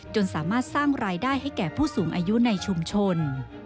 สามารถสร้างรายได้ให้แก่ผู้สูงอายุในชุมชน